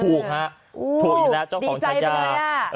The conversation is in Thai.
ถูกอยู่แล้วเจ้าของชายจาดีใจไปเลยอ่ะ